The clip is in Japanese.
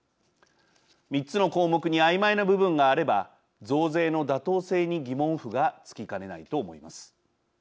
３つの項目にあいまいな部分があれば増税の妥当性に疑問符がつきかねないと思います。